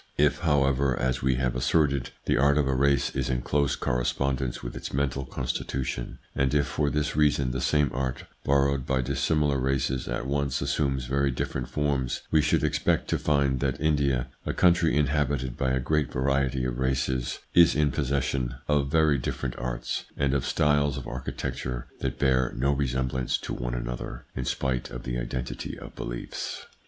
If, however, as we have asserted, the art of a race is in close correspondence with its mental constitu tion, and if for this reason the same art borrowed by dissimilar races at once assumes very different forms, we should expect to find that India, a country inhabited by a great variety of races, is in posses 124 THE PSYCHOLOGY OF PEOPLES : sion of very different arts, and of styles of archi tecture that bear no resemblance to one another, in spite of the identity of beliefs.